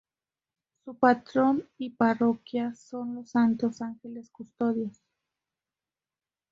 Su patrón y parroquia son los Santos Ángeles Custodios.